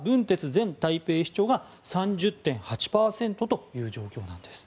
前台北市長が３０．８％という状況なんです。